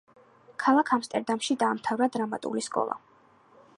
ქალაქ ამსტერდამში დაამთავრა დრამატული სკოლა.